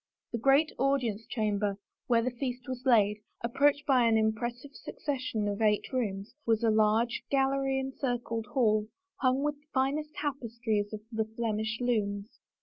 The great audience chamber, where the feast was laid, ap proached by an impressive succession of eight rooms, was a large gallery encircled hall, hung with finest tapestries of the Flemish looms.